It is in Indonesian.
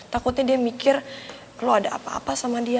takutnya dia mikir lo ada apa apa sama dia